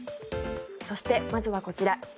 そして、まずはこちら。